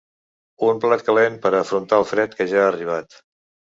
Un plat calent per a afrontar el fred que ja ha arribat.